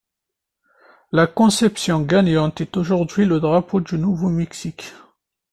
La conception gagnante est aujourd'hui le drapeau du Nouveau-Mexique.